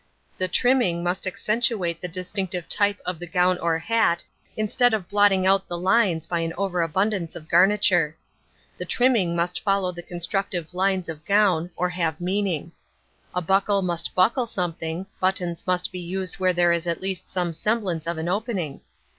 The trimming must accentuate the distinctive type of the gown or hat instead of blotting out the lines by an overabundance of garniture. The trimming must follow the constructive lines of gown, or have meaning. A buckle must buckle something, buttons must be used where there is at least some semblance of an opening.